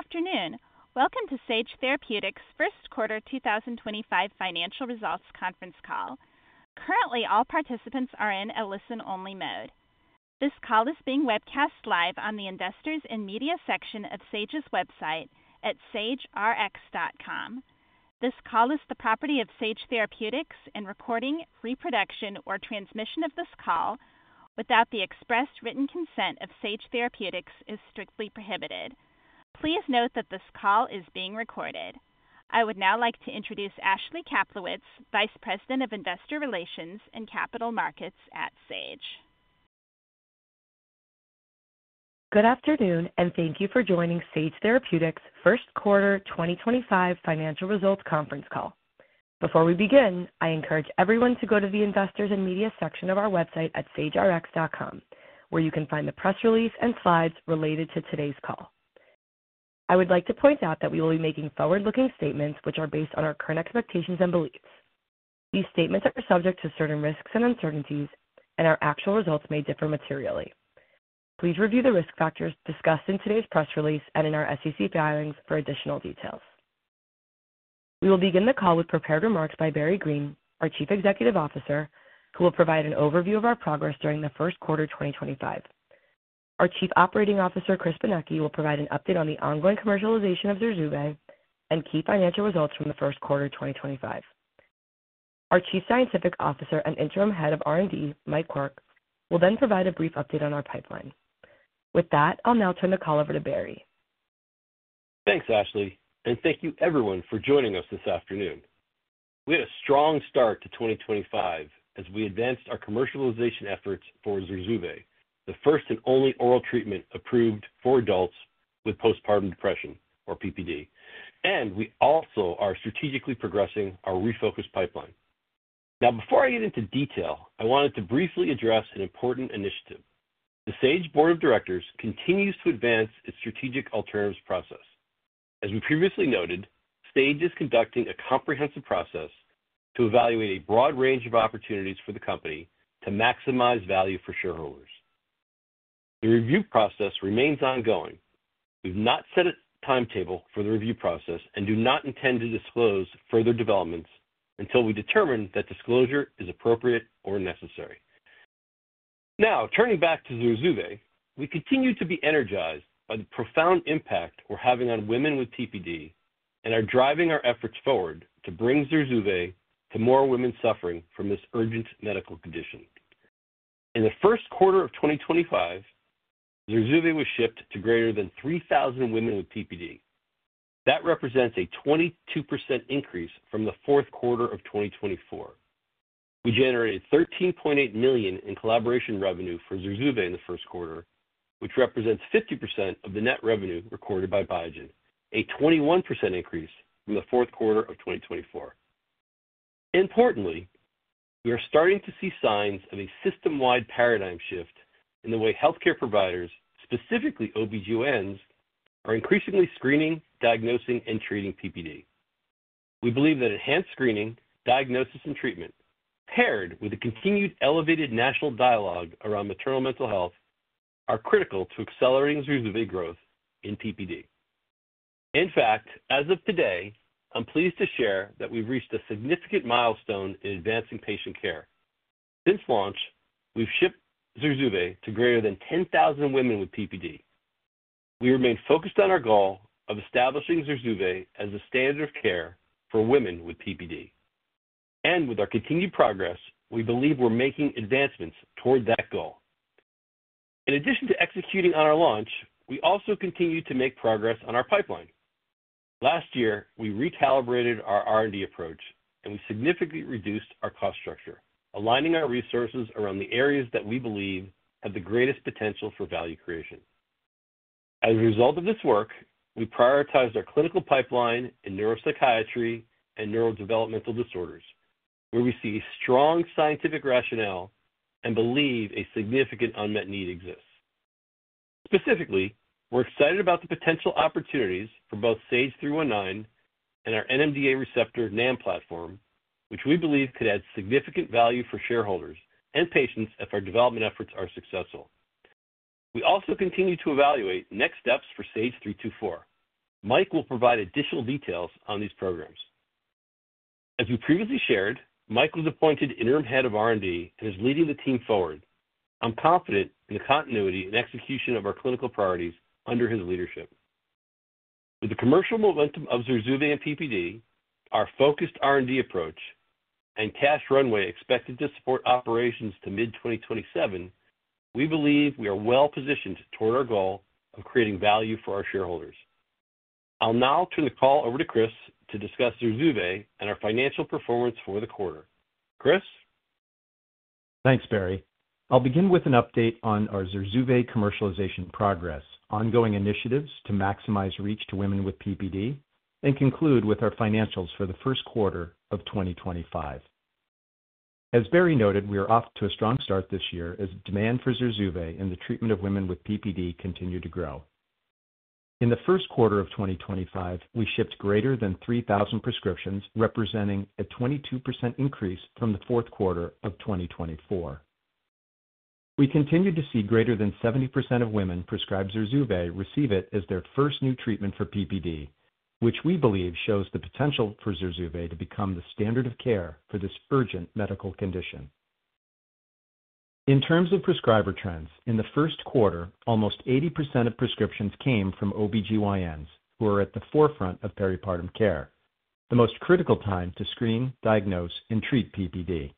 Good afternoon. Welcome to Sage Therapeutics' first quarter 2025 financial results conference call. Currently, all participants are in a listen-only mode. This call is being webcast live on the investors' and media section of Sage's website at sagerx.com. This call is the property of Sage Therapeutics, and recording, reproduction, or transmission of this call without the express written consent of Sage Therapeutics is strictly prohibited. Please note that this call is being recorded. I would now like to introduce Ashley Kaplowitz, Vice President of Investor Relations and Capital Markets at Sage. Good afternoon, and thank you for joining Sage Therapeutics' first quarter 2025 financial results conference call. Before we begin, I encourage everyone to go to the investors' and media section of our website at sagerx.com, where you can find the press release and slides related to today's call. I would like to point out that we will be making forward-looking statements which are based on our current expectations and beliefs. These statements are subject to certain risks and uncertainties, and our actual results may differ materially. Please review the risk factors discussed in today's press release and in our SEC filings for additional details. We will begin the call with prepared remarks by Barry Greene, our Chief Executive Officer, who will provide an overview of our progress during the first quarter 2025. Our Chief Operating Officer, Chris Benecchi, will provide an update on the ongoing commercialization of ZURZUVAE and key financial results from the first quarter 2025. Our Chief Scientific Officer and Interim Head of R&D, Mike Quirk, will then provide a brief update on our pipeline. With that, I'll now turn the call over to Barry. Thanks, Ashley, and thank you everyone for joining us this afternoon. We had a strong start to 2025 as we advanced our commercialization efforts for ZURZUVAE, the first and only oral treatment approved for adults with postpartum depression, or PPD. We also are strategically progressing our refocus pipeline. Now, before I get into detail, I wanted to briefly address an important initiative. The Sage Board of Directors continues to advance its strategic alternatives process. As we previously noted, Sage is conducting a comprehensive process to evaluate a broad range of opportunities for the company to maximize value for shareholders. The review process remains ongoing. We've not set a timetable for the review process and do not intend to disclose further developments until we determine that disclosure is appropriate or necessary. Now, turning back to ZURZUVAE, we continue to be energized by the profound impact we're having on women with PPD and are driving our efforts forward to bring ZURZUVAE to more women suffering from this urgent medical condition. In the first quarter of 2025, ZURZUVAE was shipped to greater than 3,000 women with PPD. That represents a 22% increase from the fourth quarter of 2024. We generated $13.8 million in collaboration revenue for ZURZUVAE in the first quarter, which represents 50% of the net revenue recorded by Biogen, a 21% increase from the fourth quarter of 2024. Importantly, we are starting to see signs of a system-wide paradigm shift in the way healthcare providers, specifically OBGYNs, are increasingly screening, diagnosing, and treating PPD. We believe that enhanced screening, diagnosis, and treatment, paired with the continued elevated national dialogue around maternal mental health, are critical to accelerating ZURZUVAE growth in PPD. In fact, as of today, I'm pleased to share that we've reached a significant milestone in advancing patient care. Since launch, we've shipped ZURZUVAE to greater than 10,000 women with PPD. We remain focused on our goal of establishing ZURZUVAE as a standard of care for women with PPD. With our continued progress, we believe we're making advancements toward that goal. In addition to executing on our launch, we also continue to make progress on our pipeline. Last year, we recalibrated our R&D approach, and we significantly reduced our cost structure, aligning our resources around the areas that we believe have the greatest potential for value creation. As a result of this work, we prioritized our clinical pipeline in neuropsychiatry and neurodevelopmental disorders, where we see a strong scientific rationale and believe a significant unmet need exists. Specifically, we're excited about the potential opportunities for both SAGE-319 and our NMDA receptor NAM platform, which we believe could add significant value for shareholders and patients if our development efforts are successful. We also continue to evaluate next steps for SAGE-324. Mike will provide additional details on these programs. As we previously shared, Mike was appointed Interim Head of R&D and is leading the team forward. I'm confident in the continuity and execution of our clinical priorities under his leadership. With the commercial momentum of ZURZUVAE and PPD, our focused R&D approach, and cash runway expected to support operations to mid-2027, we believe we are well positioned toward our goal of creating value for our shareholders. I'll now turn the call over to Chris to discuss ZURZUVAE and our financial performance for the quarter. Chris. Thanks, Barry. I'll begin with an update on our ZURZUVAE commercialization progress, ongoing initiatives to maximize reach to women with PPD, and conclude with our financials for the first quarter of 2025. As Barry noted, we are off to a strong start this year as demand for ZURZUVAE in the treatment of women with PPD continued to grow. In the first quarter of 2025, we shipped greater than 3,000 prescriptions, representing a 22% increase from the fourth quarter of 2024. We continue to see greater than 70% of women prescribed ZURZUVAE receive it as their first new treatment for PPD, which we believe shows the potential for ZURZUVAE to become the standard of care for this urgent medical condition. In terms of prescriber trends, in the first quarter, almost 80% of prescriptions came from OBGYNs, who are at the forefront of peripartum care, the most critical time to screen, diagnose, and treat PPD.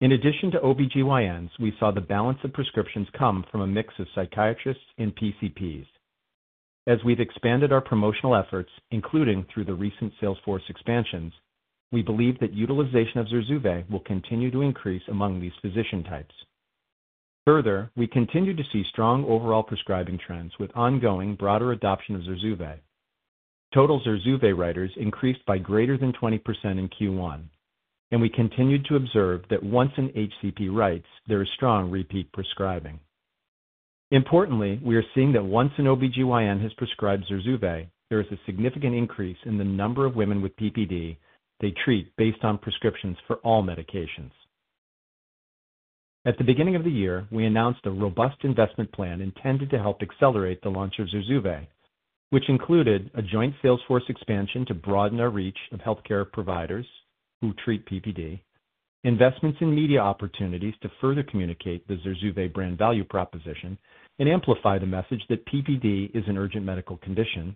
In addition to OBGYNs, we saw the balance of prescriptions come from a mix of psychiatrists and PCPs. As we've expanded our promotional efforts, including through the recent sales force expansions, we believe that utilization of ZURZUVAE will continue to increase among these physician types. Further, we continue to see strong overall prescribing trends with ongoing broader adoption of ZURZUVAE. Total ZURZUVAE writers increased by greater than 20% in Q1, and we continued to observe that once an HCP writes, there is strong repeat prescribing. Importantly, we are seeing that once an OBGYN has prescribed ZURZUVAE, there is a significant increase in the number of women with PPD they treat based on prescriptions for all medications. At the beginning of the year, we announced a robust investment plan intended to help accelerate the launch of ZURZUVAE, which included a joint sales force expansion to broaden our reach of healthcare providers who treat PPD, investments in media opportunities to further communicate the ZURZUVAE brand value proposition and amplify the message that PPD is an urgent medical condition,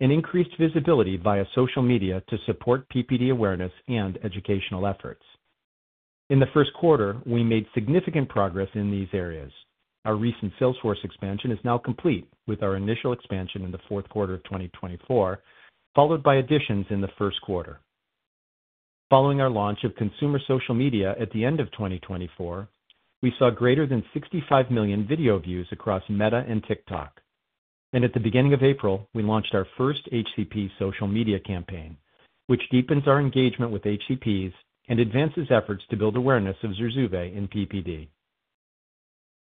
and increased visibility via social media to support PPD awareness and educational efforts. In the first quarter, we made significant progress in these areas. Our recent sales force expansion is now complete, with our initial expansion in the fourth quarter of 2024, followed by additions in the first quarter. Following our launch of consumer social media at the end of 2024, we saw greater than 65 million video views across Meta and TikTok. At the beginning of April, we launched our first HCP social media campaign, which deepens our engagement with HCPs and advances efforts to build awareness of ZURZUVAE in PPD.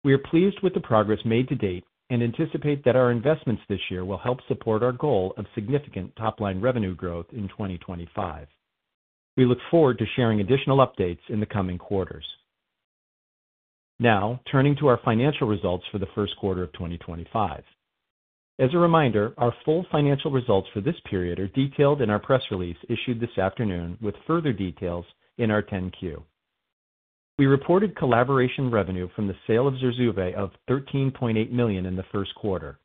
We are pleased with the progress made to date and anticipate that our investments this year will help support our goal of significant top-line revenue growth in 2025. We look forward to sharing additional updates in the coming quarters. Now, turning to our financial results for the first quarter of 2025. As a reminder, our full financial results for this period are detailed in our press release issued this afternoon, with further details in our 10-Q. We reported collaboration revenue from the sale of ZURZUVAE of $13.8 million in the first quarter,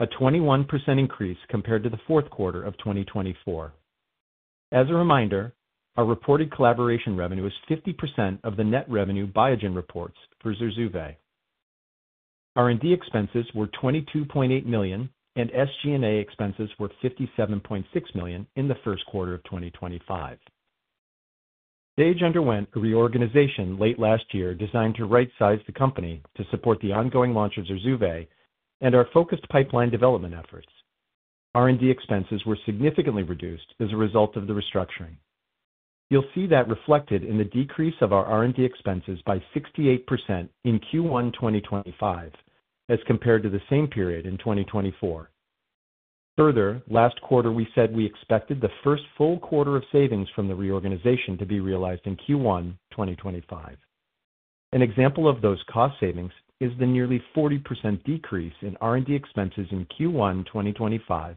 a 21% increase compared to the fourth quarter of 2024. As a reminder, our reported collaboration revenue is 50% of the net revenue Biogen reports for ZURZUVAE. R&D expenses were $22.8 million, and SG&A expenses were $57.6 million in the first quarter of 2025. Sage underwent a reorganization late last year designed to right-size the company to support the ongoing launch of ZURZUVAE and our focused pipeline development efforts. R&D expenses were significantly reduced as a result of the restructuring. You'll see that reflected in the decrease of our R&D expenses by 68% in Q1 2025 as compared to the same period in 2024. Further, last quarter, we said we expected the first full quarter of savings from the reorganization to be realized in Q1 2025. An example of those cost savings is the nearly 40% decrease in R&D expenses in Q1 2025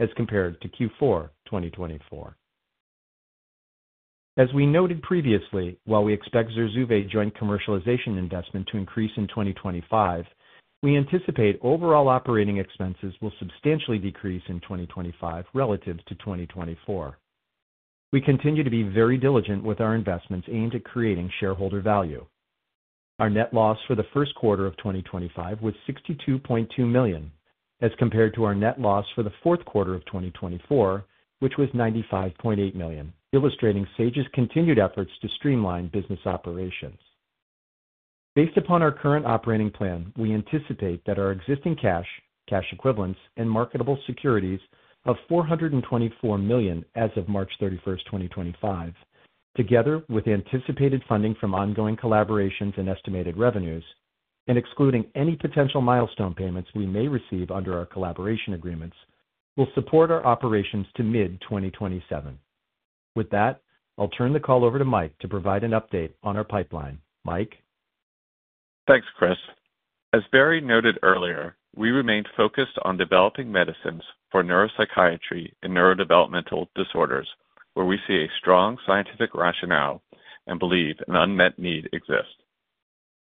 as compared to Q4 2024. As we noted previously, while we expect ZURZUVAE joint commercialization investment to increase in 2025, we anticipate overall operating expenses will substantially decrease in 2025 relative to 2024. We continue to be very diligent with our investments aimed at creating shareholder value. Our net loss for the first quarter of 2025 was $62.2 million as compared to our net loss for the fourth quarter of 2024, which was $95.8 million, illustrating Sage's continued efforts to streamline business operations. Based upon our current operating plan, we anticipate that our existing cash, cash equivalents, and marketable securities of $424 million as of March 31, 2025, together with anticipated funding from ongoing collaborations and estimated revenues, and excluding any potential milestone payments we may receive under our collaboration agreements, will support our operations to mid-2027. With that, I'll turn the call over to Mike to provide an update on our pipeline. Mike. Thanks, Chris. As Barry noted earlier, we remained focused on developing medicines for neuropsychiatry and neurodevelopmental disorders, where we see a strong scientific rationale and believe an unmet need exists.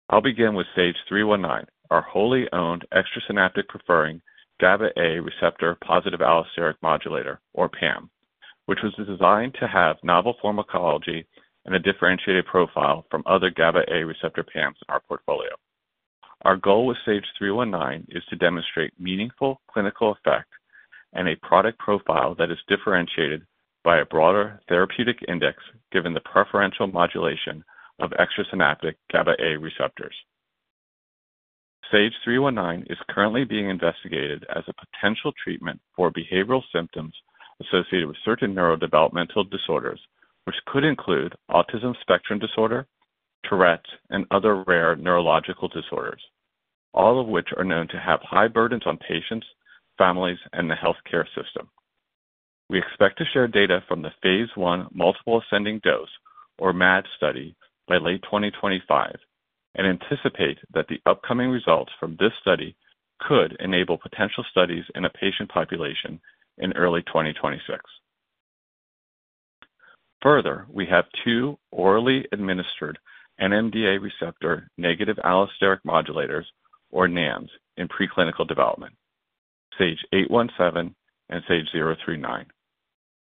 I'll begin with SAGE-319, our wholly owned extrasynaptic preferring GABA-A receptor positive allosteric modulator, or PAM, which was designed to have novel pharmacology and a differentiated profile from other GABA-A receptor PAMs in our portfolio. Our goal with SAGE-319 is to demonstrate meaningful clinical effect and a product profile that is differentiated by a broader therapeutic index given the preferential modulation of extrasynaptic GABA-A receptors. SAGE-319 is currently being investigated as a potential treatment for behavioral symptoms associated with certain neurodevelopmental disorders, which could include autism spectrum disorder, Tourette's, and other rare neurological disorders, all of which are known to have high burdens on patients, families, and the healthcare system. We expect to share data from the phase I Multiple Ascending Dose, or MAD, study by late 2025 and anticipate that the upcoming results from this study could enable potential studies in a patient population in early 2026. Further, we have two orally administered NMDA receptor negative allosteric modulators, or NAMs, in preclinical development: SAGE-817 and SAGE-039.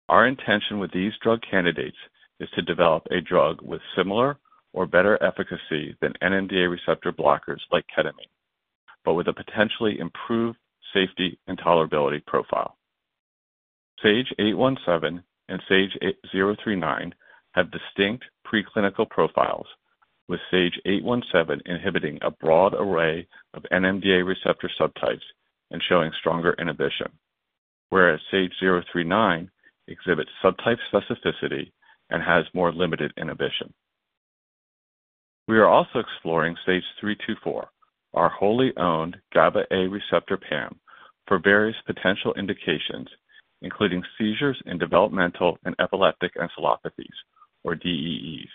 Our intention with these drug candidates is to develop a drug with similar or better efficacy than NMDA receptor blockers like ketamine, but with a potentially improved safety and tolerability profile. SAGE-817 and SAGE-039 have distinct preclinical profiles, with SAGE-817 inhibiting a broad array of NMDA receptor subtypes and showing stronger inhibition, whereas SAGE-039 exhibits subtype specificity and has more limited inhibition. We are also exploring SAGE-324, our wholly owned GABA-A receptor PAM, for various potential indications, including seizures and developmental and epileptic encephalopathies, or DEEs.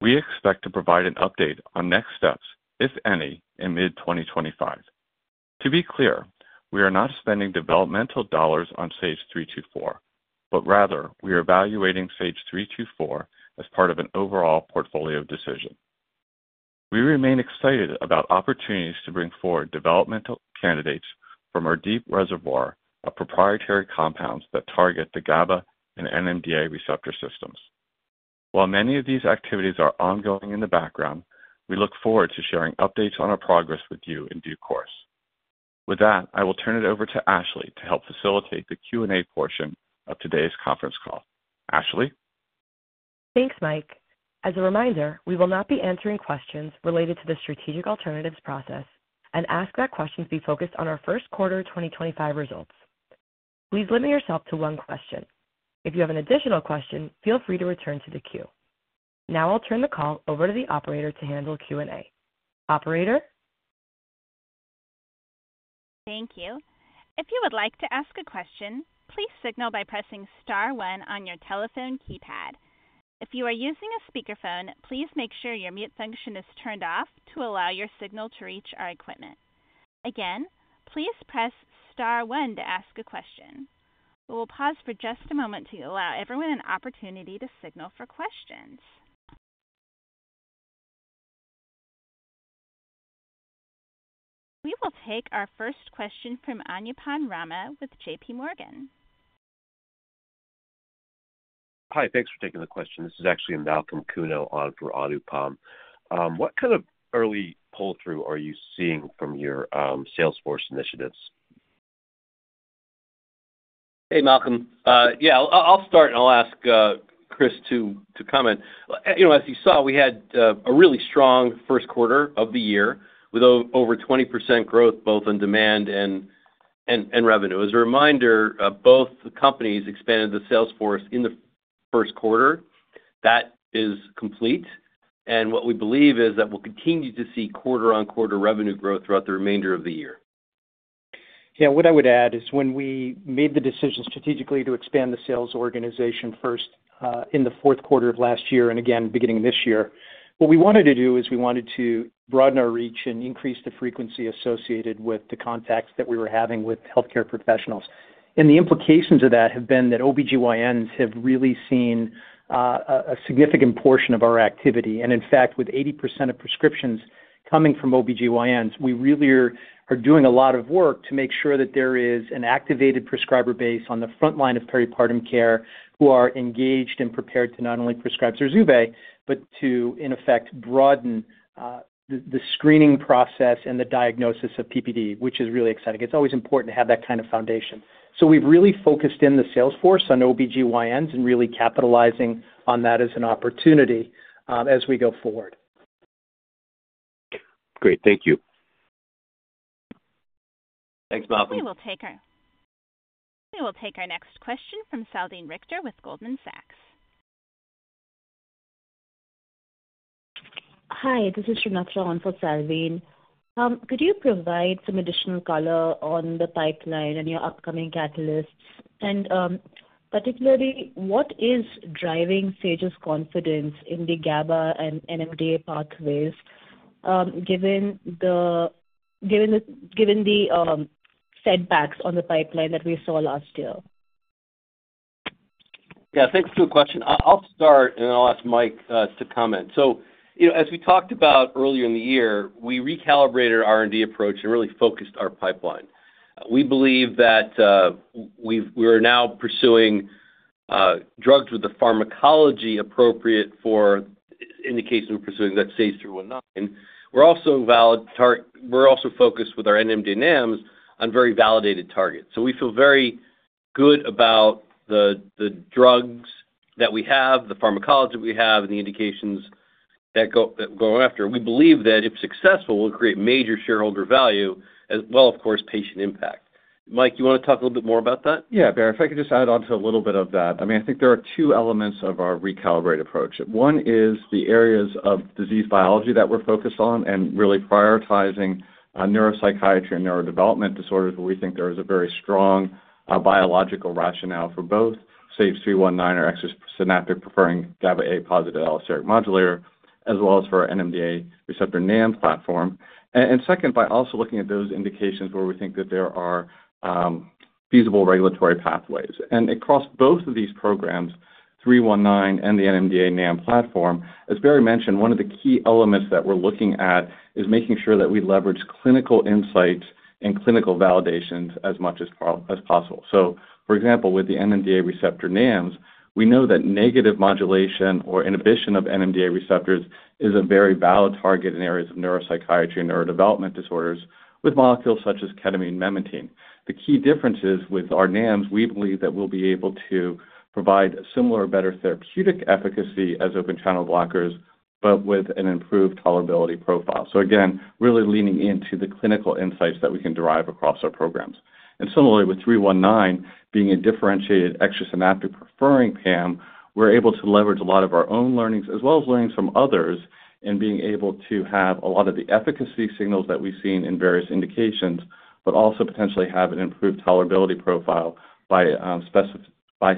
We expect to provide an update on next steps, if any, in mid-2025. To be clear, we are not spending developmental dollars on SAGE-324, but rather we are evaluating SAGE-324 as part of an overall portfolio decision. We remain excited about opportunities to bring forward developmental candidates from our deep reservoir of proprietary compounds that target the GABA and NMDA receptor systems. While many of these activities are ongoing in the background, we look forward to sharing updates on our progress with you in due course. With that, I will turn it over to Ashley to help facilitate the Q&A portion of today's conference call. Ashley. Thanks, Mike. As a reminder, we will not be answering questions related to the strategic alternatives process, and ask that questions be focused on our first quarter 2025 results. Please limit yourself to one question. If you have an additional question, feel free to return to the queue. Now I'll turn the call over to the operator to handle Q&A. Operator? Thank you. If you would like to ask a question, please signal by pressing star one on your telephone keypad. If you are using a speakerphone, please make sure your mute function is turned off to allow your signal to reach our equipment. Again, please press star one to ask a question. We will pause for just a moment to allow everyone an opportunity to signal for questions. We will take our first question from Anupam Rama with JPMorgan. Hi, thanks for taking the question. This is actually Malcolm Kuno on for Anupam. What kind of early pull-through are you seeing from your sales force initiatives? Hey, Malcolm. Yeah, I'll start and I'll ask Chris to comment. As you saw, we had a really strong first quarter of the year with over 20% growth, both in demand and revenue. As a reminder, both companies expanded the sales force in the first quarter. That is complete. What we believe is that we'll continue to see quarter-on-quarter revenue growth throughout the remainder of the year. Yeah, what I would add is when we made the decision strategically to expand the sales organization first in the fourth quarter of last year and again beginning this year, what we wanted to do is we wanted to broaden our reach and increase the frequency associated with the contacts that we were having with healthcare professionals. The implications of that have been that OBGYNs have really seen a significant portion of our activity. In fact, with 80% of prescriptions coming from OBGYNs, we really are doing a lot of work to make sure that there is an activated prescriber base on the front line of peripartum care who are engaged and prepared to not only prescribe ZURZUVAE, but to, in effect, broaden the screening process and the diagnosis of PPD, which is really exciting. It's always important to have that kind of foundation. We've really focused in the sales force on OBGYNs and really capitalizing on that as an opportunity as we go forward. Great. Thank you. Thanks, Malcolm. We will take our next question from Salveen Richter with Goldman Sachs. Hi, this is Shrunatra Mishra for Salveen. Could you provide some additional color on the pipeline and your upcoming catalysts? Particularly, what is driving Sage's confidence in the GABA and NMDA pathways given the setbacks on the pipeline that we saw last year? Yeah, thanks for the question. I'll start and then I'll ask Mike to comment. As we talked about earlier in the year, we recalibrated our R&D approach and really focused our pipeline. We believe that we are now pursuing drugs with the pharmacology appropriate for indications we're pursuing, that SAGE-319. We're also focused with our NMDA NAMs on very validated targets. We feel very good about the drugs that we have, the pharmacology that we have, and the indications that we're going after. We believe that if successful, we'll create major shareholder value as well as, of course, patient impact. Mike, you want to talk a little bit more about that? Yeah, Barry. If I could just add on to a little bit of that. I mean, I think there are two elements of our recalibrate approach. One is the areas of disease biology that we're focused on and really prioritizing neuropsychiatry and neurodevelopment disorders where we think there is a very strong biological rationale for both SAGE-319 or extrasynaptic preferring GABA-A positive allosteric modulator, as well as for NMDA receptor NAM platform. Second, by also looking at those indications where we think that there are feasible regulatory pathways. Across both of these programs, 319 and the NMDA NAM platform, as Barry mentioned, one of the key elements that we're looking at is making sure that we leverage clinical insights and clinical validations as much as possible. For example, with the NMDA receptor NAMs, we know that negative modulation or inhibition of NMDA receptors is a very valid target in areas of neuropsychiatry and neurodevelopment disorders with molecules such as ketamine, memantine. The key difference is with our NAMs, we believe that we'll be able to provide similar or better therapeutic efficacy as open channel blockers, but with an improved tolerability profile. Again, really leaning into the clinical insights that we can derive across our programs. Similarly, with 319 being a differentiated extrasynaptic preferring PAM, we're able to leverage a lot of our own learnings as well as learnings from others and being able to have a lot of the efficacy signals that we've seen in various indications, but also potentially have an improved tolerability profile by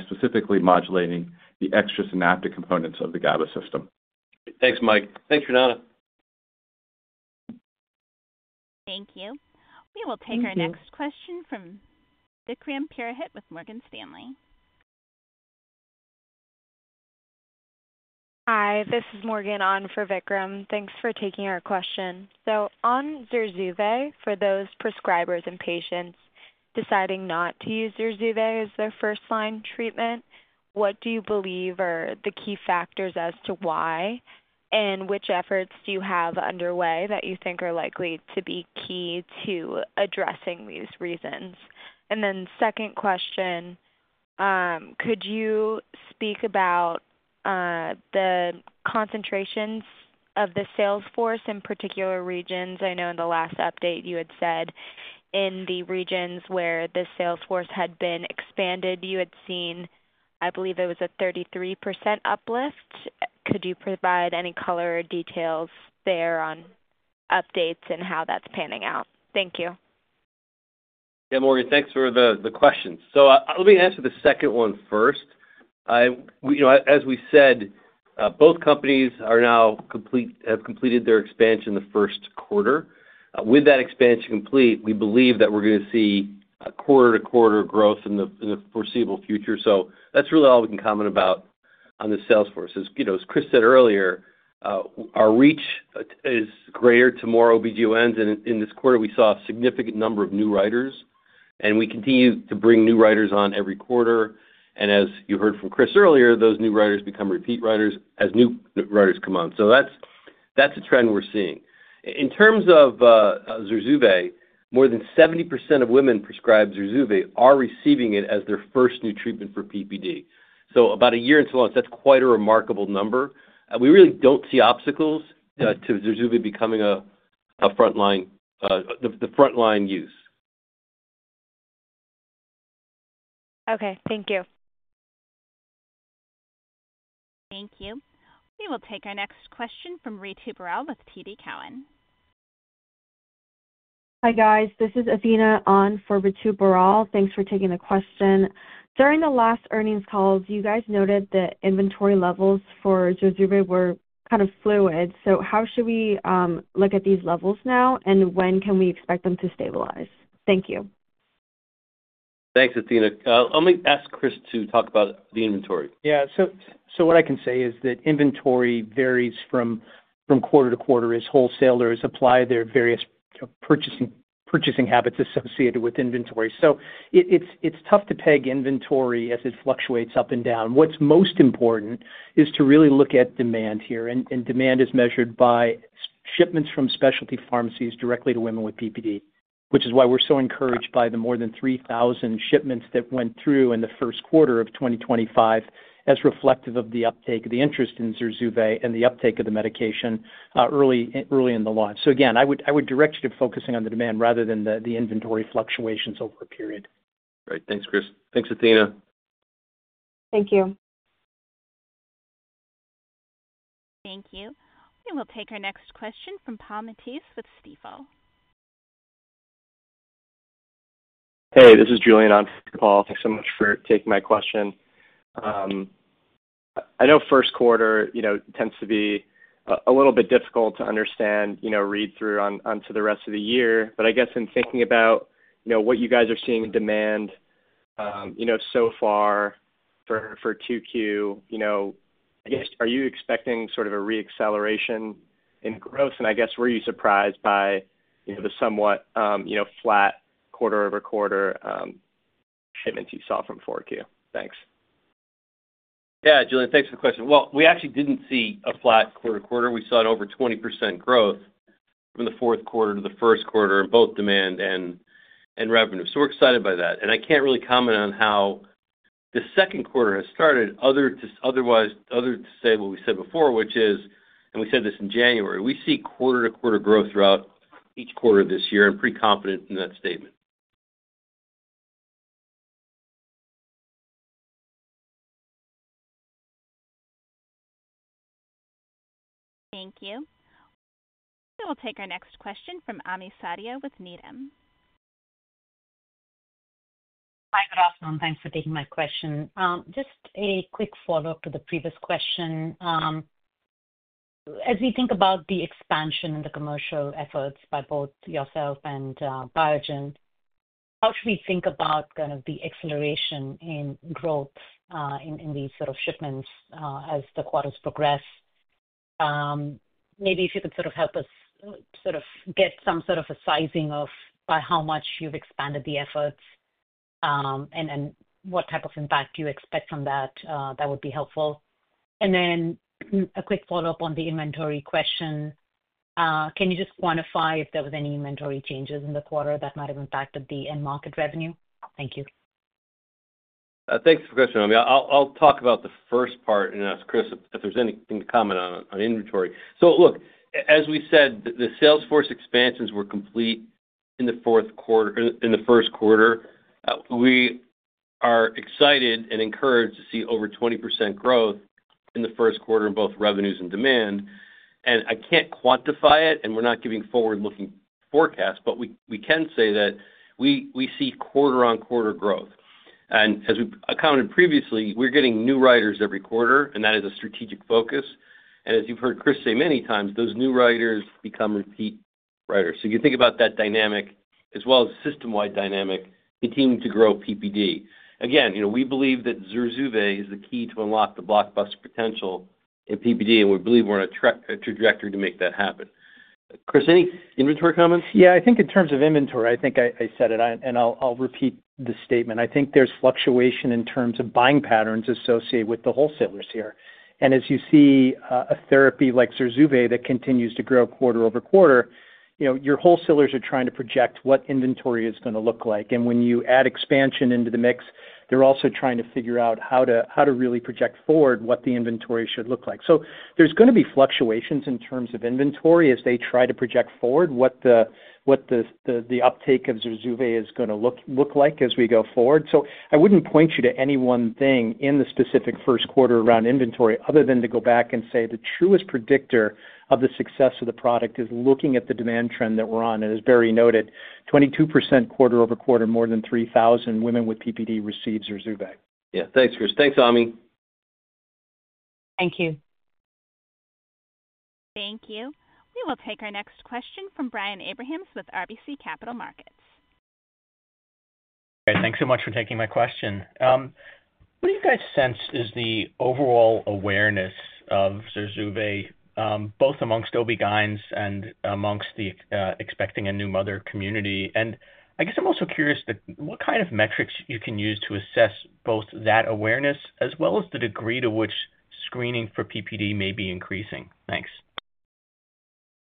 specifically modulating the extrasynaptic components of the GABA system. Thanks, Mike. Thanks, Shrunatra. Thank you. We will take our next question from Vikram Purohit with Morgan Stanley. Hi, this is Morgan on for Vikram. Thanks for taking our question. On ZURZUVAE, for those prescribers and patients deciding not to use ZURZUVAE as their first-line treatment, what do you believe are the key factors as to why? Which efforts do you have underway that you think are likely to be key to addressing these reasons? Second question, could you speak about the concentrations of the sales force in particular regions? I know in the last update you had said in the regions where the sales force had been expanded, you had seen, I believe it was a 33% uplift. Could you provide any color or details there on updates and how that's panning out? Thank you. Yeah, Morgan, thanks for the question. Let me answer the second one first. As we said, both companies have completed their expansion the first quarter. With that expansion complete, we believe that we're going to see quarter-to-quarter growth in the foreseeable future. That's really all we can comment about on the sales force. As Chris said earlier, our reach is greater to more OBGYNs. In this quarter, we saw a significant number of new writers. We continue to bring new writers on every quarter. As you heard from Chris earlier, those new writers become repeat writers as new writers come on. That's a trend we're seeing. In terms of ZURZUVAE, more than 70% of women prescribed ZURZUVAE are receiving it as their first new treatment for PPD. About a year into launch, that's quite a remarkable number. We really don't see obstacles to ZURZUVAE becoming the front line use. Okay, thank you. Thank you. We will take our next question from Ritu Baral with TD Cowen. Hi guys, this is Athena on for Ritu Baral. Thanks for taking the question. During the last earnings calls, you guys noted that inventory levels for ZURZUVAE were kind of fluid. How should we look at these levels now, and when can we expect them to stabilize? Thank you. Thanks, Athena. Let me ask Chris to talk about the inventory. Yeah, so what I can say is that inventory varies from quarter to quarter. As wholesalers apply their various purchasing habits associated with inventory, it's tough to peg inventory as it fluctuates up and down. What's most important is to really look at demand here. Demand is measured by shipments from specialty pharmacies directly to women with PPD, which is why we're so encouraged by the more than 3,000 shipments that went through in the first quarter of 2025 as reflective of the uptake of the interest in ZURZUVAE and the uptake of the medication early in the launch. I would direct you to focusing on the demand rather than the inventory fluctuations over a period. Great. Thanks, Chris. Thanks, Athena. Thank you. Thank you. We will take our next question from Paul Matteis with Stifel. Hey, this is Julian on for Paul. Thanks so much for taking my question. I know first quarter tends to be a little bit difficult to understand, read through onto the rest of the year. I guess in thinking about what you guys are seeing in demand so far for Q2, I guess, are you expecting sort of a re-acceleration in growth? I guess, were you surprised by the somewhat flat quarter-over-quarter shipments you saw from Q4? Thanks. Yeah, Julian, thanks for the question. We actually didn't see a flat quarter-to-quarter. We saw an over 20% growth from the fourth quarter to the first quarter in both demand and revenue. We're excited by that. I can't really comment on how the second quarter has started other to say what we said before, which is, and we said this in January, we see quarter-to-quarter growth throughout each quarter of this year and pretty confident in that statement. Thank you. We will take our next question from Ami Fadia with Needham. Hi there as well. Thanks for taking my question. Just a quick follow-up to the previous question. As we think about the expansion and the commercial efforts by both yourself and Biogen, how should we think about kind of the acceleration in growth in these sort of shipments as the quarters progress? Maybe if you could sort of help us sort of get some sort of a sizing of by how much you've expanded the efforts and what type of impact you expect from that, that would be helpful. A quick follow-up on the inventory question. Can you just quantify if there were any inventory changes in the quarter that might have impacted the end market revenue? Thank you. Thanks for the question. I'll talk about the first part and ask Chris if there's anything to comment on inventory. As we said, the sales force expansions were complete in the fourth quarter in the first quarter. We are excited and encouraged to see over 20% growth in the first quarter in both revenues and demand. I can't quantify it, and we're not giving forward-looking forecasts, but we can say that we see quarter-on-quarter growth. As we commented previously, we're getting new writers every quarter, and that is a strategic focus. As you've heard Chris say many times, those new writers become repeat writers. You think about that dynamic as well as system-wide dynamic continuing to grow PPD. Again, we believe that ZURZUVAE is the key to unlock the blockbuster potential in PPD, and we believe we're on a trajectory to make that happen. Chris, any inventory comments? Yeah, I think in terms of inventory, I think I said it, and I'll repeat the statement. I think there's fluctuation in terms of buying patterns associated with the wholesalers here. As you see a therapy like ZURZUVAE that continues to grow quarter-over-quarter, your wholesalers are trying to project what inventory is going to look like. When you add expansion into the mix, they're also trying to figure out how to really project forward what the inventory should look like. There's going to be fluctuations in terms of inventory as they try to project forward what the uptake of ZURZUVAE is going to look like as we go forward. I would not point you to any one thing in the specific first quarter around inventory other than to go back and say the truest predictor of the success of the product is looking at the demand trend that we are on. As Barry noted, 22% quarter-over-quarter, more than 3,000 women with PPD receive ZURZUVAE. Yeah, thanks, Chris. Thanks, Ami. Thank you. Thank you. We will take our next question from Brian Abrahams with RBC Capital Markets. Okay, thanks so much for taking my question. What do you guys sense is the overall awareness of ZURZUVAE, both amongst OBGYNs and amongst the expecting and new mother community? I guess I'm also curious what kind of metrics you can use to assess both that awareness as well as the degree to which screening for PPD may be increasing? Thanks.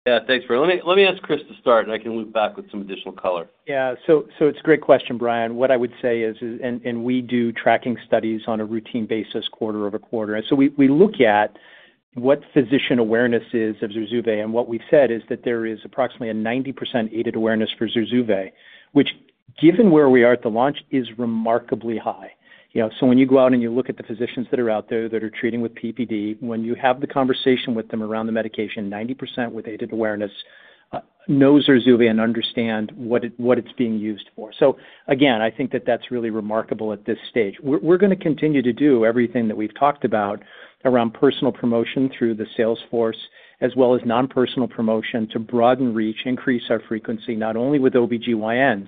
Yeah, thanks, Brian. Let me ask Chris to start, and I can loop back with some additional color. Yeah, so it's a great question, Brian. What I would say is, and we do tracking studies on a routine basis quarter-over-quarter. We look at what physician awareness is of ZURZUVAE, and what we've said is that there is approximately a 90% aided awareness for ZURZUVAE, which, given where we are at the launch, is remarkably high. When you go out and you look at the physicians that are out there that are treating with PPD, when you have the conversation with them around the medication, 90% with aided awareness knows ZURZUVAE and understands what it's being used for. I think that that's really remarkable at this stage. We're going to continue to do everything that we've talked about around personal promotion through the sales force as well as non-personal promotion to broaden reach, increase our frequency not only with OBGYNs,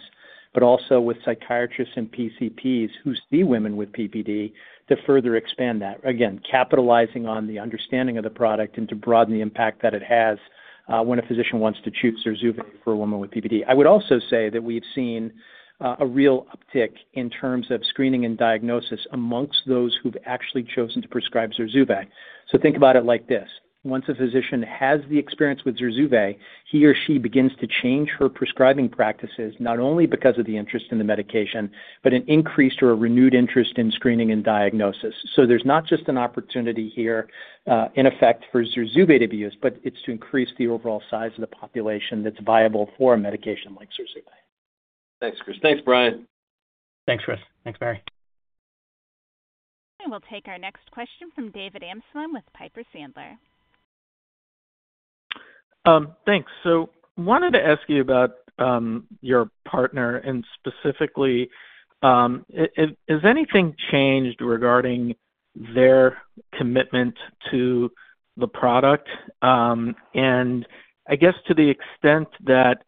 but also with psychiatrists and PCPs who see women with PPD to further expand that. Again, capitalizing on the understanding of the product and to broaden the impact that it has when a physician wants to choose ZURZUVAE for a woman with PPD. I would also say that we've seen a real uptick in terms of screening and diagnosis amongst those who've actually chosen to prescribe ZURZUVAE. Think about it like this: once a physician has the experience with ZURZUVAE, he or she begins to change her prescribing practices, not only because of the interest in the medication, but an increased or a renewed interest in screening and diagnosis. There's not just an opportunity here in effect for ZURZUVAE to be used, but it's to increase the overall size of the population that's viable for a medication like ZURZUVAE. Thanks, Chris. Thanks, Brian. Thanks, Chris. Thanks, Barry. We'll take our next question from David Amsellem with Piper Sandler. Thanks. I wanted to ask you about your partner and specifically, has anything changed regarding their commitment to the product? I guess to the extent that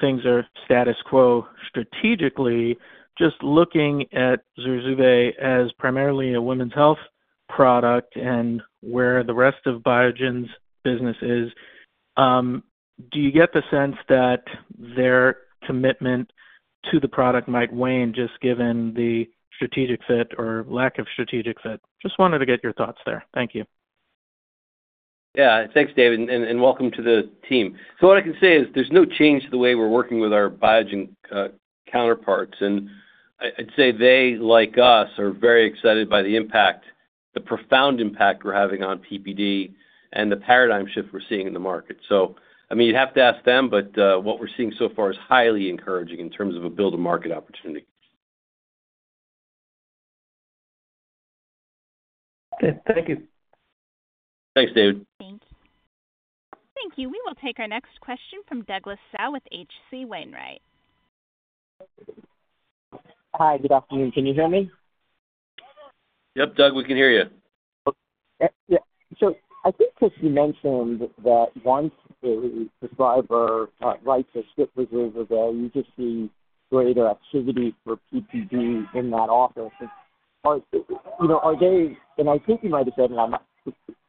things are status quo strategically, just looking at ZURZUVAE as primarily a women's health product and where the rest of Biogen's business is, do you get the sense that their commitment to the product might wane just given the strategic fit or lack of strategic fit? I just wanted to get your thoughts there. Thank you. Yeah, thanks, David, and welcome to the team. What I can say is there's no change to the way we're working with our Biogen counterparts. I'd say they, like us, are very excited by the impact, the profound impact we're having on PPD and the paradigm shift we're seeing in the market. I mean, you'd have to ask them, but what we're seeing so far is highly encouraging in terms of a build-to-market opportunity. Thank you. Thanks, David. Thank you. We will take our next question from Douglas Tsao with H.C. Wainwright. Hi, good afternoon. Can you hear me? Yep, Doug, we can hear you. Yeah, so I think Chris, you mentioned that once a prescriber writes a ship reserve availability, you just see greater activity for PPD in that office. I think you might have said, and I'm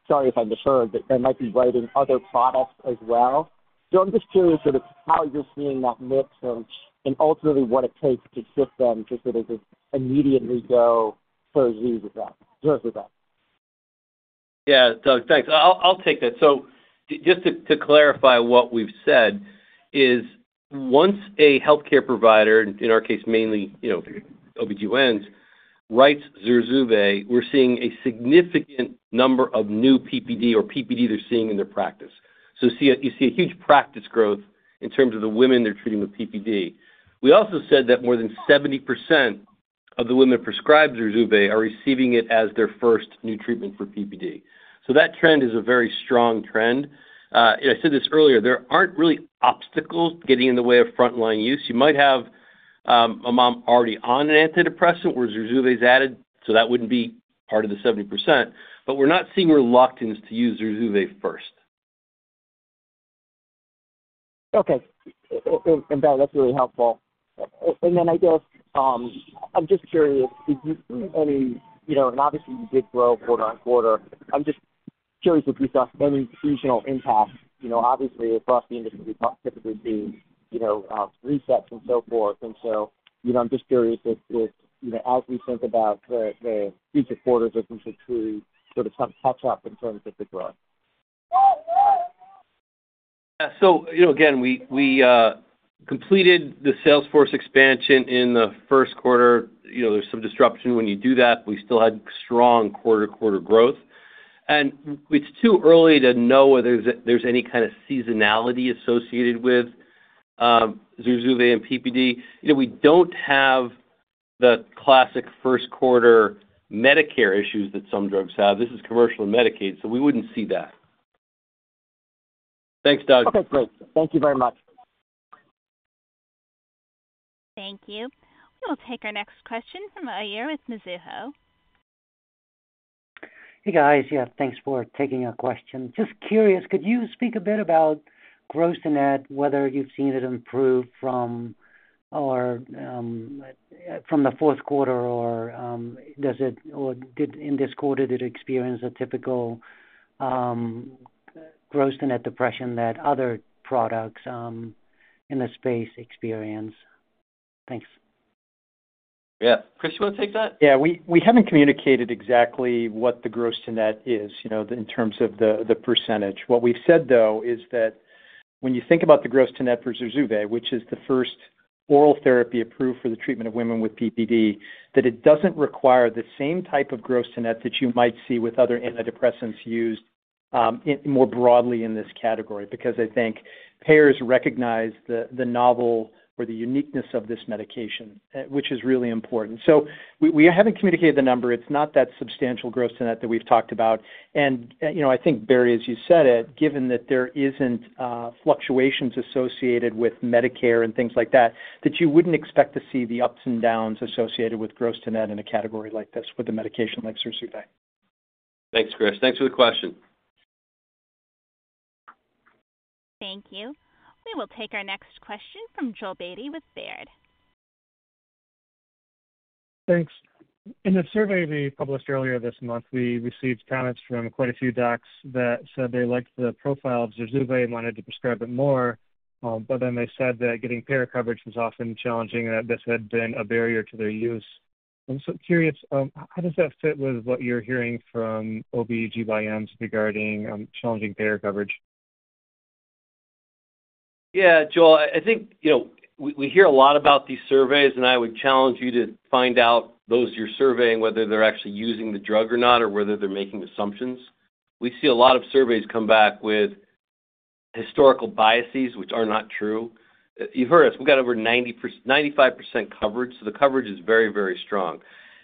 sorry if I misheard, that they might be writing other products as well. I'm just curious sort of how you're seeing that mix and ultimately what it takes to shift them to sort of immediately go ZURZUVAE with that. Yeah, Doug, thanks. I'll take that. Just to clarify what we've said is once a healthcare provider, in our case mainly OB-GYNs, writes ZURZUVAE, we're seeing a significant number of new PPD or PPD they're seeing in their practice. You see a huge practice growth in terms of the women they're treating with PPD. We also said that more than 70% of the women prescribed ZURZUVAE are receiving it as their first new treatment for PPD. That trend is a very strong trend. I said this earlier, there aren't really obstacles getting in the way of front line use. You might have a mom already on an antidepressant where ZURZUVAE is added, so that wouldn't be part of the 70%. We're not seeing reluctance to use ZURZUVAE first. Okay. That's really helpful. I guess I'm just curious, did you see any—and obviously you did grow quarter-on-quarter—I'm just curious if you saw any regional impact. Obviously, across the industry, we typically see resets and so forth. I'm just curious if, as we think about the future quarters, we could see sort of some catch-up in terms of the growth. Yeah. Again, we completed the sales force expansion in the first quarter. There's some disruption when you do that, but we still had strong quarter-to-quarter growth. It's too early to know whether there's any kind of seasonality associated with ZURZUVAE and PPD. We don't have the classic first quarter Medicare issues that some drugs have. This is commercial and Medicaid, so we wouldn't see that. Thanks, Doug. Okay, great. Thank you very much. Thank you. We will take our next question from Uy Ear with Mizuho. Hey, guys. Yeah, thanks for taking our question. Just curious, could you speak a bit about gross-to-net, whether you've seen it improve from the fourth quarter, or did it in this quarter experience a typical gross-to-net depression that other products in the space experience? Thanks. Yeah. Chris, you want to take that? Yeah. We haven't communicated exactly what the gross-to-net is in terms of the percentage. What we've said, though, is that when you think about the gross-to-net for ZURZUVAE, which is the first oral therapy approved for the treatment of women with PPD, that it doesn't require the same type of gross-to-net that you might see with other antidepressants used more broadly in this category, because I think payers recognize the novel or the uniqueness of this medication, which is really important. We haven't communicated the number. It's not that substantial gross-to-net that we've talked about. I think, Barry, as you said it, given that there aren't fluctuations associated with Medicare and things like that, you wouldn't expect to see the ups and downs associated with gross-to-net in a category like this with a medication like ZURZUVAE. Thanks, Chris. Thanks for the question. Thank you. We will take our next question from Joel Beatty with Baird. Thanks. In a survey we published earlier this month, we received comments from quite a few docs that said they liked the profile of ZURZUVAE and wanted to prescribe it more. They said that getting payer coverage was often challenging and that this had been a barrier to their use. I'm so curious, how does that fit with what you're hearing from OBGYNs regarding challenging payer coverage? Yeah, Joel, I think we hear a lot about these surveys, and I would challenge you to find out those you're surveying whether they're actually using the drug or not or whether they're making assumptions. We see a lot of surveys come back with historical biases, which are not true. You've heard us. We've got over 95% coverage, so the coverage is very, very strong.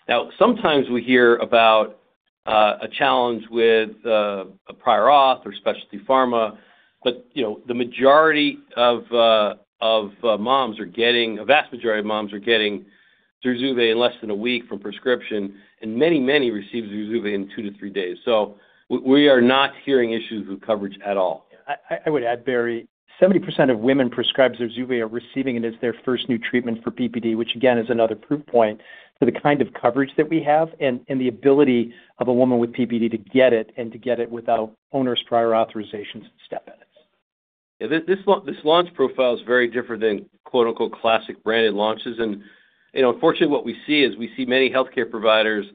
Now, sometimes we hear about a challenge with a prior auth or specialty pharma, but the majority of moms are getting—a vast majority of moms are getting ZURZUVAE in less than a week from prescription, and many, many receive ZURZUVAE in two to three days. We are not hearing issues with coverage at all. I would add, Barry, 70% of women prescribed ZURZUVAE are receiving it as their first new treatment for PPD, which, again, is another proof point for the kind of coverage that we have and the ability of a woman with PPD to get it and to get it without onerous prior authorizations and step edits. Yeah, this launch profile is very different than classic branded launches. Unfortunately, what we see is we see many healthcare providers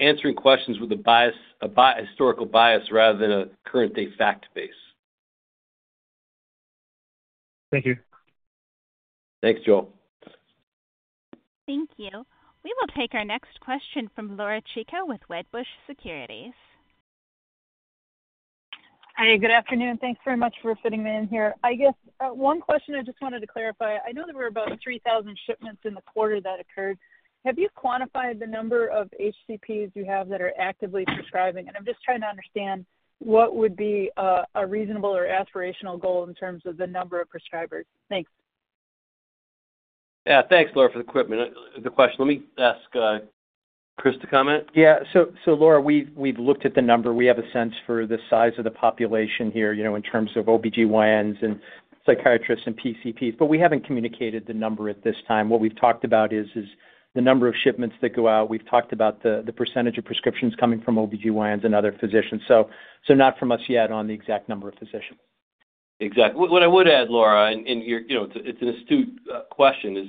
answering questions with a historical bias rather than a current-day fact base. Thank you. Thanks, Joel. Thank you. We will take our next question from Laura Chico with Wedbush Securities. Hi, good afternoon. Thanks very much for fitting me in here. I guess one question I just wanted to clarify. I know there were about 3,000 shipments in the quarter that occurred. Have you quantified the number of HCPs you have that are actively prescribing? I'm just trying to understand what would be a reasonable or aspirational goal in terms of the number of prescribers. Thanks. Yeah, thanks, Laura, for the question. Let me ask Chris to comment. Yeah. Laura, we've looked at the number. We have a sense for the size of the population here in terms of OBGYNs and psychiatrists and PCPs, but we haven't communicated the number at this time. What we've talked about is the number of shipments that go out. We've talked about the percentage of prescriptions coming from OBGYNs and other physicians. Not from us yet on the exact number of physicians. Exactly. What I would add, Laura, and it's an astute question, is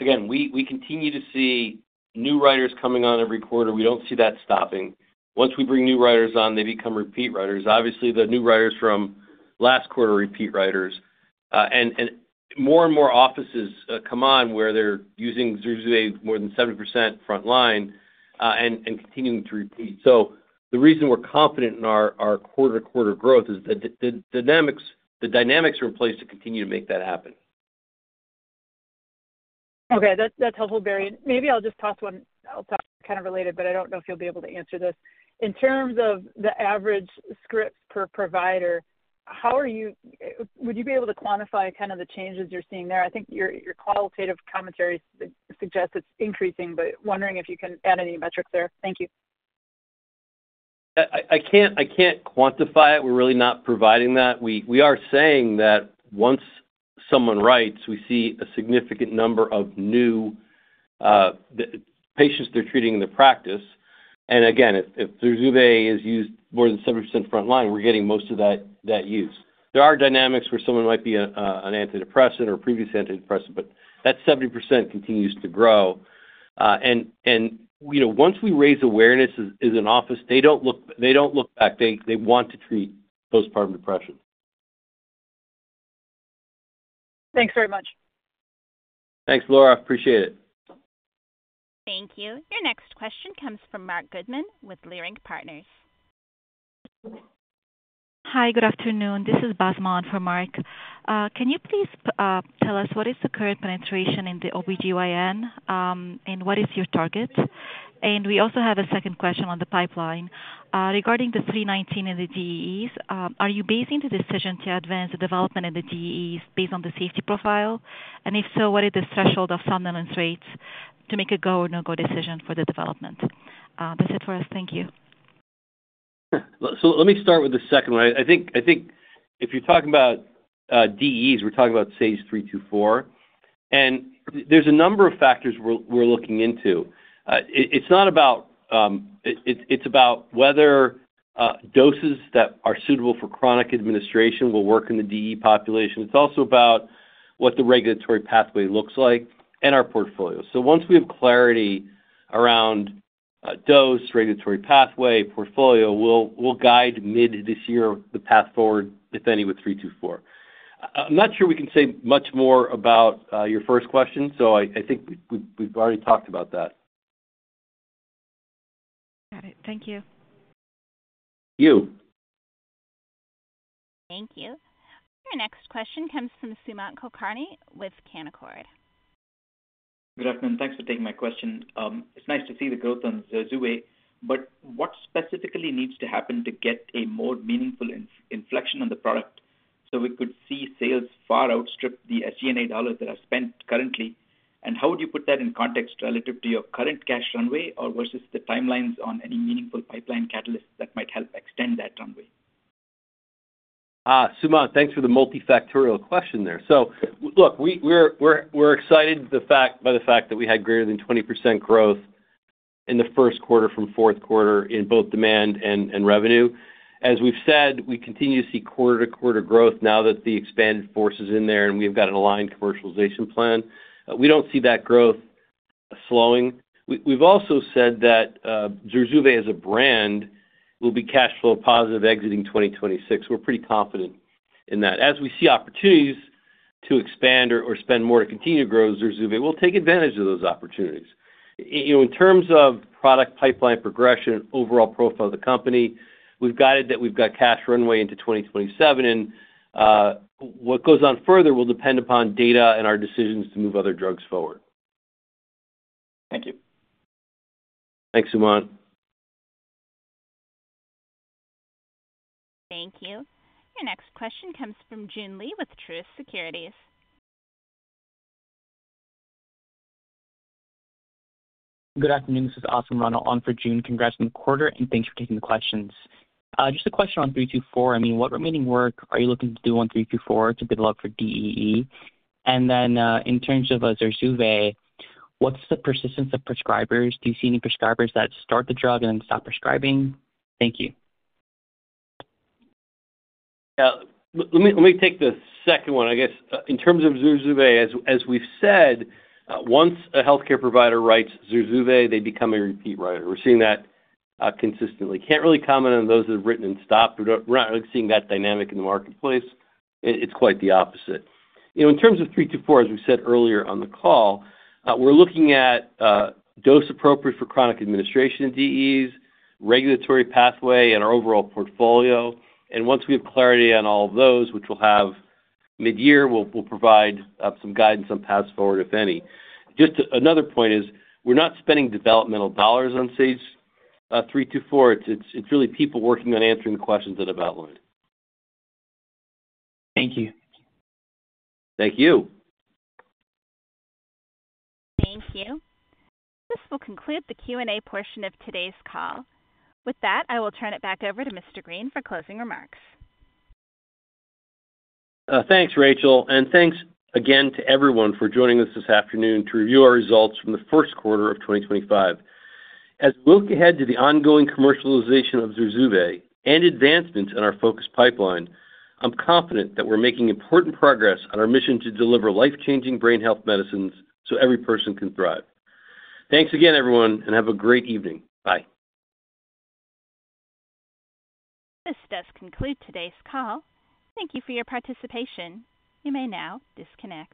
again, we continue to see new writers coming on every quarter. We don't see that stopping. Once we bring new writers on, they become repeat writers. Obviously, the new writers from last quarter are repeat writers. More and more offices come on where they're using ZURZUVAE more than 70% front line and continuing to repeat. The reason we're confident in our quarter-to-quarter growth is that the dynamics are in place to continue to make that happen. Okay. That's helpful, Barry. Maybe I'll just toss one kind of related, but I don't know if you'll be able to answer this. In terms of the average scripts per provider, how are you—would you be able to quantify kind of the changes you're seeing there? I think your qualitative commentary suggests it's increasing, but wondering if you can add any metrics there. Thank you. I can't quantify it. We're really not providing that. We are saying that once someone writes, we see a significant number of new patients they're treating in the practice. We see if ZURZUVAE is used more than 70% front line, we're getting most of that use. There are dynamics where someone might be on antidepressant or previous antidepressant, but that 70% continues to grow. Once we raise awareness in an office, they don't look back. They want to treat postpartum depression. Thanks very much. Thanks, Laura. Appreciate it. Thank you. Your next question comes from Marc Goodman with Leerink Partners. Hi, good afternoon. This is Basma for Marc. Can you please tell us what is the current penetration in the OBGYN and what is your target? We also have a second question on the pipeline. Regarding the 319 and the DEEs, are you basing the decision to advance the development of the DEEs based on the safety profile? If so, what are the threshold of somnolence rates to make a go or no-go decision for the development? That's it for us. Thank you. Let me start with the second one. I think if you're talking about DEEs, we're talking about SAGE-324. And there's a number of factors we're looking into. It's not about—it's about whether doses that are suitable for chronic administration will work in the DEE population. It's also about what the regulatory pathway looks like and our portfolio. Once we have clarity around dose, regulatory pathway, portfolio, we'll guide mid this year the path forward, if any, with 324. I'm not sure we can say much more about your first question, so I think we've already talked about that. Got it. Thank you. You. Thank you. Your next question comes from Sumant Kulkarni with Canaccord. Good afternoon. Thanks for taking my question. It's nice to see the growth on ZURZUVAE, but what specifically needs to happen to get a more meaningful inflection on the product so we could see sales far outstrip the SG&A dollars that are spent currently? How would you put that in context relative to your current cash runway or versus the timelines on any meaningful pipeline catalysts that might help extend that runway? Sumant, thanks for the multifactorial question there. Look, we're excited by the fact that we had greater than 20% growth in the first quarter from fourth quarter in both demand and revenue. As we've said, we continue to see quarter-to-quarter growth now that the expanded force is in there and we've got an aligned commercialization plan. We don't see that growth slowing. We've also said that ZURZUVAE as a brand will be cash flow positive exiting 2026. We're pretty confident in that. As we see opportunities to expand or spend more to continue to grow ZURZUVAE, we'll take advantage of those opportunities. In terms of product pipeline progression, overall profile of the company, we've guided that we've got cash runway into 2027, and what goes on further will depend upon data and our decisions to move other drugs forward. Thank you. Thanks, Sumant. Thank you. Your next question comes from Joon Lee with Truist Securities. Good afternoon. This is Asim Rana on for Joon. Congrats on the quarter, and thanks for taking the questions. Just a question on 324. I mean, what remaining work are you looking to do on 324 to develop for DEE? In terms of ZURZUVAE, what's the persistence of prescribers? Do you see any prescribers that start the drug and then stop prescribing? Thank you. Yeah. Let me take the second one. I guess in terms of ZURZUVAE, as we've said, once a healthcare provider writes ZURZUVAE, they become a repeat writer. We're seeing that consistently. Can't really comment on those that have written and stopped. We're not really seeing that dynamic in the marketplace. It's quite the opposite. In terms of 324, as we said earlier on the call, we're looking at dose appropriate for chronic administration in DEEs, regulatory pathway, and our overall portfolio. Once we have clarity on all of those, which we'll have mid-year, we'll provide some guidance on paths forward, if any. Just another point is we're not spending developmental dollars on SAGE-324. It's really people working on answering the questions that have outlined. Thank you. Thank you. Thank you. This will conclude the Q&A portion of today's call. With that, I will turn it back over to Mr. Greene for closing remarks. Thanks, Rachel. Thanks again to everyone for joining us this afternoon to review our results from the first quarter of 2025. As we look ahead to the ongoing commercialization of ZURZUVAE and advancements in our focus pipeline, I'm confident that we're making important progress on our mission to deliver life-changing brain health medicines so every person can thrive. Thanks again, everyone, and have a great evening. Bye. This does conclude today's call. Thank you for your participation. You may now disconnect.